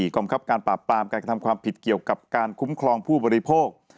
กรรมคับการปราบปรามการกระทำความผิดเกี่ยวกับการคุ้มครองผู้บริโภค